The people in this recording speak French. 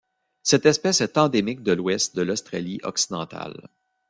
Cette espèce est endémique de l'Ouest de l'Australie-Occidentale.